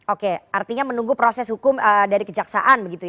oke artinya menunggu proses hukum dari kejaksaan begitu ya